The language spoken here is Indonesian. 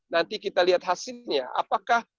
nanti kita lihat hasilnya apakah